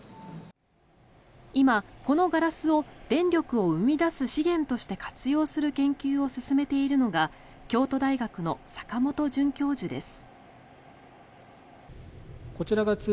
今、このガラスを電力を生み出す資源として活用する研究を進めているのが京都大学の坂本准教授です。